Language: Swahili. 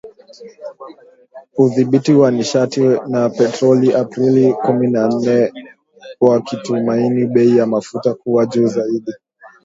Udhibiti wa Nishati na Petroli Aprili kumi na nne wakitumaini bei ya mafuta kuwa juu zaidi